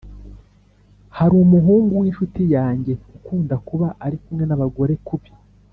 Harumuhungu winshuti yange ukunda kuba arikumwe nabagore kubi